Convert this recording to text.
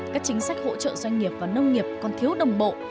các chính sách hỗ trợ doanh nghiệp và nông nghiệp còn thiếu đồng bộ